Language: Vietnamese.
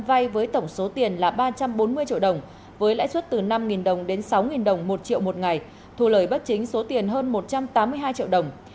vai với tổng số tiền là ba trăm bốn mươi triệu đồng với lãi suất từ năm đồng đến sáu đồng một triệu một ngày thu lời bất chính số tiền hơn một trăm tám mươi hai triệu đồng